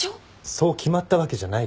そう決まったわけじゃないから。